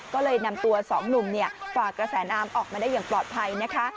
ก็เลยนำตัวสองหนุ่มฝากระแสน้ำออกมาได้อย่างปลอดภัยนะคะ